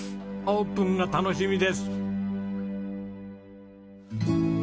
オープンが楽しみです。